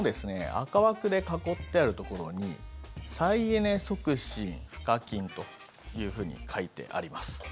赤枠で囲ってあるところに再エネ促進賦課金というふうに書いてあります。